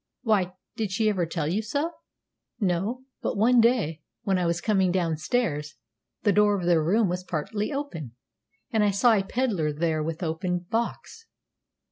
"Why, did she ever tell you so?" "No; but one day, when I was coming down stairs, the door of their room was partly open, and I saw a pedler there with open box.